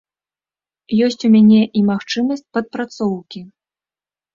Ёсць у мяне і магчымасць падпрацоўкі.